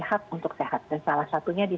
hak untuk sehat dan salah satunya di